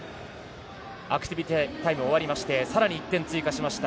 アクティビティータイム終わりまして更に１点追加しました。